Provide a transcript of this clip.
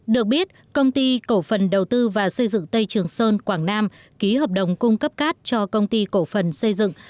được biết công ty cổ phần đầu tư và xây dựng tây trường sơn quảng nam ký hợp đồng cung cấp cát cho công ty cổ phần xây dựng